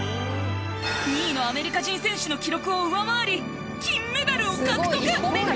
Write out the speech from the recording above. ２位のアメリカ人選手の記録を上回り金メダルを獲得！